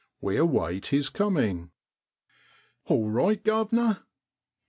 We await his coming. 4 All right, guv'nor